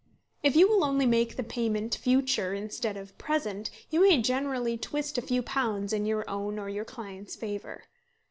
If you will only make the payment future instead of present, you may generally twist a few pounds in your own or your client's favour.